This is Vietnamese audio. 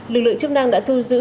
lực lượng chức năng đã thu giữ